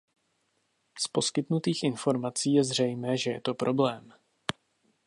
Z poskytnutých informací je zřejmé, že to je problém.